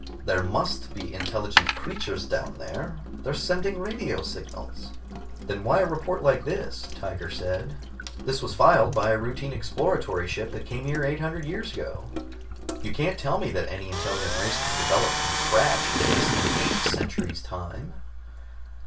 "There must be intelligent creatures down there. They're sending radio signals." "Then why a report like this?" Tiger said. "This was filed by a routine exploratory ship that came here eight hundred years ago. You can't tell me that any intelligent race could develop from scratch in less than eight centuries' time."